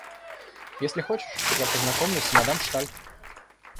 Если хочешь, я познакомлюсь с мадам Шталь.